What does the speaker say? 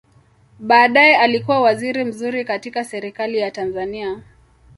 Baadaye alikua waziri mzuri katika Serikali ya Tanzania.